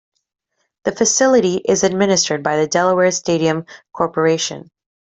The facility is administered by the Delaware Stadium Corporation.